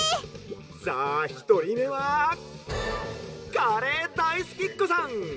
「さあひとりめはカレー大好きっこさん。